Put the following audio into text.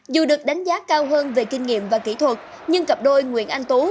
dù được đánh giá cao hơn về kinh nghiệm và kỹ thuật nhưng cặp đôi nguyễn anh tú